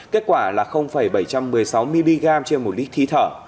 kết quả là bảy trăm một mươi sáu mg trên một lít thí thở